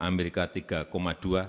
amerika tiga dua persen